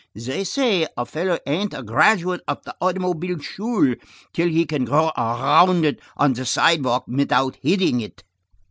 They say a fellow ain't a graduate of the automobile school till he can go around it on the sidewalk without hittin' it!"